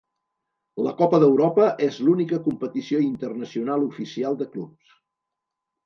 La Copa d'Europa és l'única competició internacional oficial de clubs.